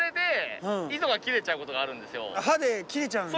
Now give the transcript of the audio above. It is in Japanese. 歯で切れちゃうんだ。